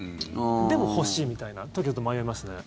でも、欲しいみたいな時はちょっと迷いますね。